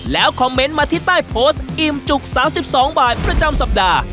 แล้วคอมเมนต์มาที่ใต้โพสต์อิ่มจุก๓๒บาทประจำสัปดาห์